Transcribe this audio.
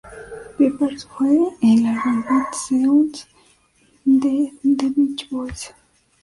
Pepper's" fue el álbum "Pet Sounds" de The Beach Boys.